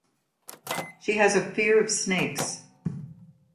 She has a fear of snakes.